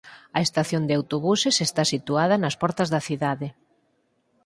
A estación de autobuses está situada nas portas da cidade.